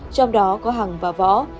trong đó có hằng và võ